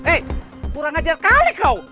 eh kurang ajar kali kau